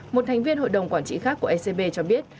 một thành viên hội đồng quản trị khác của ecb cho biết